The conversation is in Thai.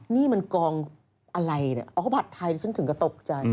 นี่มันกองอะไรเนี่ยอ๋อผัดไทยฉันถึงก็ตกใจ